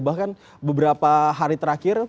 bahkan beberapa hari terakhir